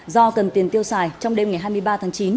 do cần tiền tiêu xài trong đêm ngày hai mươi ba tháng chín